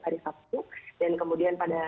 dan kemudian pada